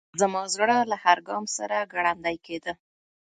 زما زړه له هر ګام سره ګړندی کېده.